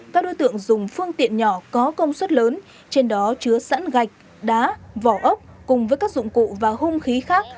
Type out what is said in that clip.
các đối tượng dùng phương tiện nhỏ có công suất lớn trên đó chứa sẵn gạch đá vỏ ốc cùng với các dụng cụ và hung khí khác